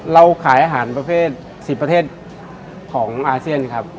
เราขายอาหารประเภท๑๐ประเทศของอาเซียนครับ